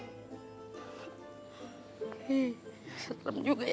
hee serem juga ya